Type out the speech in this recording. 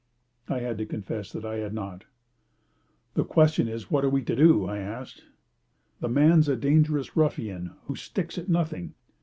I had to confess that I had not. "The question is what we are to do?" I asked. "The man's a dangerous ruffian, who sticks at nothing.